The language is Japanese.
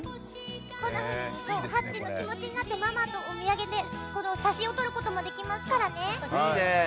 こんなふうにハッチの気持ちになってママと写真を撮ることもできますからね。